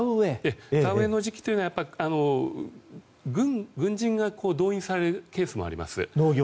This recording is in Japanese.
田植えの時期というのは軍人が動員されるケースもあります。